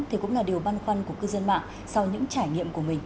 thì cũng là điều băn khoăn của cư dân mạng sau những trải nghiệm của mình